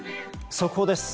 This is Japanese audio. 速報です。